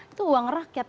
itu uang rakyat